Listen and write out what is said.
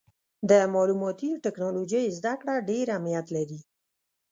د معلوماتي ټکنالوجۍ زدهکړه ډېر اهمیت لري.